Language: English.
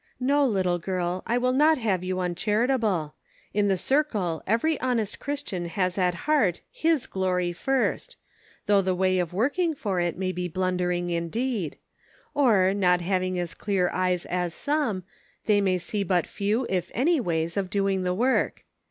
267 " No, little girl, I will not have you uncharita ble ; in the circle every honest Christian has at heart His glory first, though the way of working for it may be blundering indeed ; or, not having as clear eyes as some, they may see but few if any ways of doing the work.